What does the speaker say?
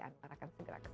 anda akan segera kembali